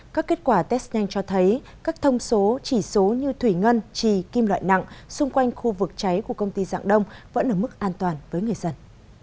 các kết quả test nhanh cho thấy các thông số chỉ số như thủy ngân trì kim loại nặng xung quanh khu vực cháy của công ty dạng đông vẫn ở mức an toàn với người dân